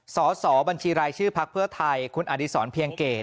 สสบัญชีรายชื่อพักเพื่อไทยคุณอดีศรเพียงเกต